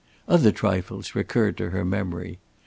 Other trifles recurred to her memory.